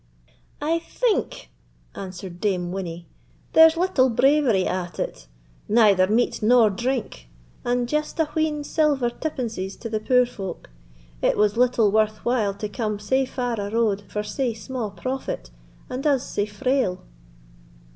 "I think," answered Dame Winnie, "there's little bravery at it: neither meat nor drink, and just a wheen silver tippences to the poor folk; it was little worth while to come sae far a road for sae sma' profit, and us sae frail."